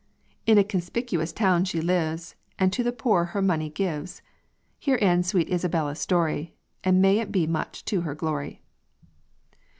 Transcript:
In a conspicuous town she lives, And to the poor her money gives. Here ends sweet Isabella's story, And may it be much to her glory."